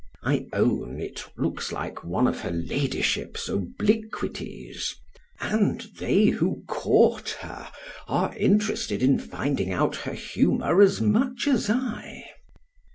I own it looks like one of her ladyship's obliquities; and they who court her, are interested in finding out her humour as much as I.